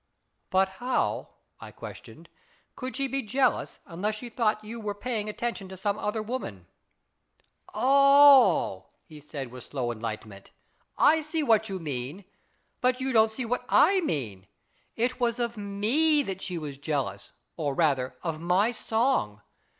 " But how/' I questioned, " could she be jealous unless she thought you were paying attention to some other woman ?"" Oh !" he said, with slow enlightenment, " I see what_ you mean, but you don't see what I mean. It was of rne that she was jealous, or rather of my song.